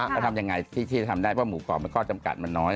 แล้วทำยังไงที่จะทำได้เพราะหมูกรอบข้อจำกัดมันน้อย